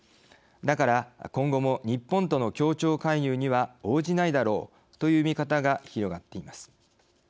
だから、今後も日本との協調介入には応じないだろう」という見方が広がっています。